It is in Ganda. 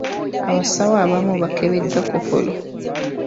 Abasawo abamu baakebeddwa Kkookolo.